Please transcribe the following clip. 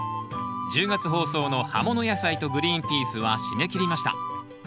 １０月放送の「葉もの野菜」と「グリーンピース」は締め切りました。